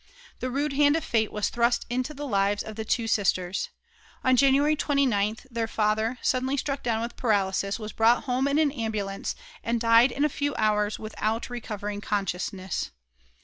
The rude hand of fate was thrust into the lives of the two sisters. On January 29th their father, suddenly struck down with paralysis, was brought home in an ambulance, and died in a few hours without recovering consciousness.